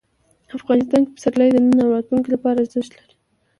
افغانستان کې پسرلی د نن او راتلونکي لپاره ارزښت لري.